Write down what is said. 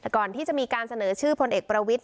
ก่อนที่จะมีการเสนอชื่อพลเอกประวิทธ